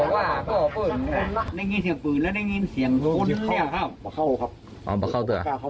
อ๋อมาเข้าตัว